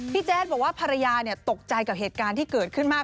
แจ๊ดบอกว่าภรรยาตกใจกับเหตุการณ์ที่เกิดขึ้นมาก